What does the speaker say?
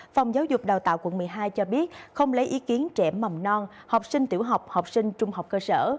phòng giáo dục đào tạo quận một mươi hai cho biết không lấy ý kiến trẻ mầm non học sinh tiểu học học sinh trung học cơ sở